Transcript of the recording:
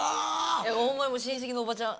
ホンマにもう親戚のおばちゃん。